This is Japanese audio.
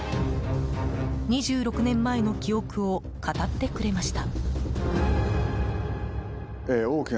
２６年前の記憶を語ってくれました。